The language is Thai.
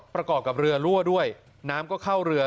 ประกอบกับเรือรั่วด้วยน้ำก็เข้าเรือ